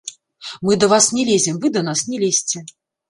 Мы да вас не лезем, вы да нас не лезьце.